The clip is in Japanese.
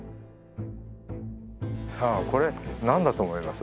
さあこれなんだと思います？